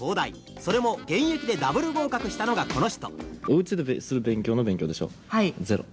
それも現役でダブル合格したのがこの人。